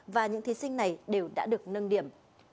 và những thí sinh này đều đã được nâng điểm